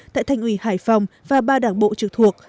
tại thành ủy hải phòng và ba đảng bộ trực thuộc